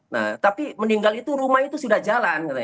nah tapi meninggal itu rumah itu sudah jalan